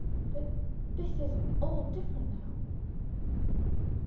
But this is all different now.